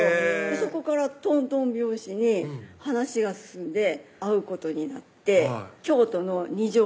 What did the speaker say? そこからとんとん拍子に話が進んで会うことになって京都の二条